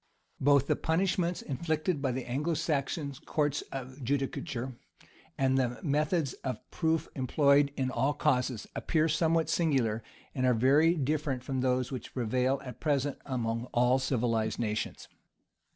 Both the punishments inflicted by the Anglo Saxon courts of judicature, and the methods of proof employed in all causes, appear somewhat singular, and are very different from those which prevail at present among all civilized nations.